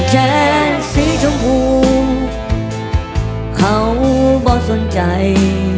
หันแชร์สีชมพูเขาบ่สนใจ